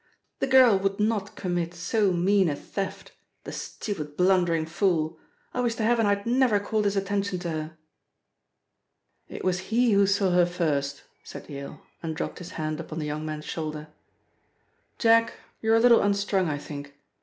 "The girl would not commit so mean a theft, the stupid, blundering fool! I wish to heaven I had never called his attention to her." "It was he who saw her first," said Yale, and dropped his hand upon the young man's shoulder. "Jack, you're a little unstrung, I think.